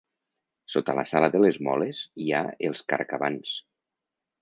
Sota la sala de les moles hi ha els carcabans.